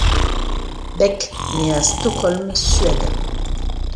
Beck naît à Stockholm, Suède.